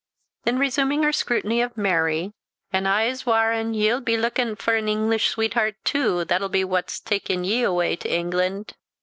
Then resuming her scrutiny of Mary "An' I'se warran' ye'll be lucken for an Inglish sweetheart tu that'll be what's takin' ye awa' to Ingland."